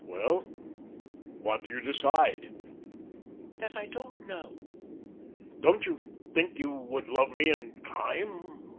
"Well, what do you decide?" "That I don't know." "Don't you think you would love me in time?